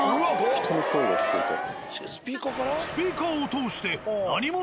人の声が聞こえる。